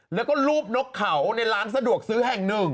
แล้วก็รูปนกเขาในร้านสะดวกซื้อแห่งหนึ่ง